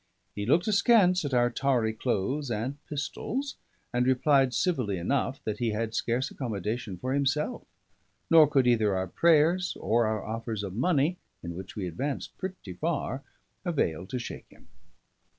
He looked askance at our tarry clothes and pistols, and replied civilly enough that he had scarce accommodation for himself; nor could either our prayers or our offers of money, in which we advanced pretty far, avail to shake him.